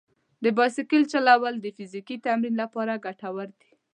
د بایسکل چلول د فزیکي تمرین لپاره ګټور دي.